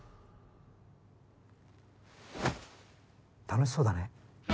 楽しそうだね。